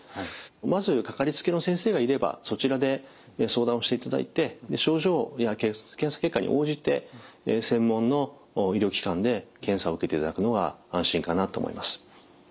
まずかかりつけの先生がいればそちらで相談をしていただいて症状や検査結果に応じて専門の医療機関で検査を受けていただくのが安心かなと思います。